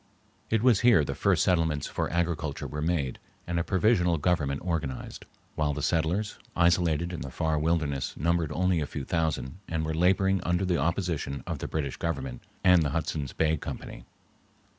It was here the first settlements for agriculture were made and a provisional government organized, while the settlers, isolated in the far wilderness, numbered only a few thousand and were laboring under the opposition of the British Government and the Hudson's Bay Company.